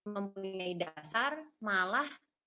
mempunyai dasar malah